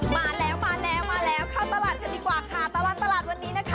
มาแล้วมาแล้วมาแล้วเข้าตลาดกันดีกว่าค่ะตลอดตลาดวันนี้นะคะ